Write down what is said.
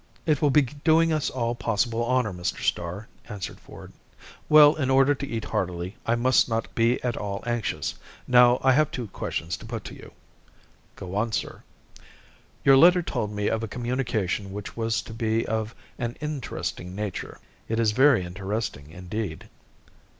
"It will be doing us all possible honor, Mr. Starr," answered Ford. "Well, in order to eat heartily, I must not be at all anxious. Now I have two questions to put to you." "Go on, sir." "Your letter told me of a communication which was to be of an interesting nature." "It is very interesting indeed."